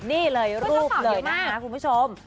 นี่เลยรูปเลยนะคะคุณผู้ชม